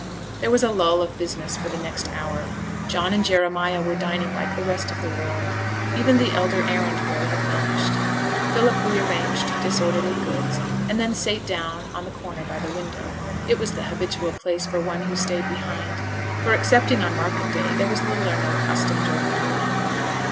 There was a lull of business for the next hour. John and Jeremiah were dining like the rest of the world. Even the elder errand boy had vanished. Philip rearranged disorderly goods; and then sate down on the counter by the window; it was the habitual place for the one who stayed behind; for excepting on market day there was little or no custom during the noon hour.